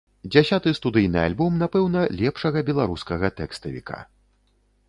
Дзясяты студыйны альбом, напэўна, лепшага беларускага тэкставіка.